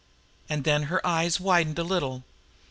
And then her eyes widened a little.